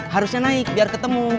harusnya naik biar ketemu